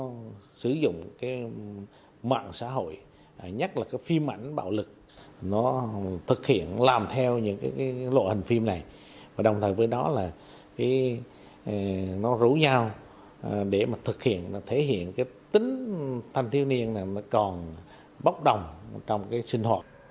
nó sử dụng cái mạng xã hội nhất là cái phim ảnh bạo lực nó thực hiện làm theo những cái lộ hình phim này và đồng thời với đó là cái nó rú nhau để mà thực hiện thể hiện cái tính thanh tiêu niên này nó còn bốc đồng trong cái sinh hoạt